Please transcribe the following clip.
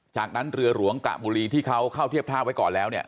จากนั้นเรือหลวงกระบุรีที่เขาเข้าเทียบท่าไว้ก่อนแล้วเนี่ย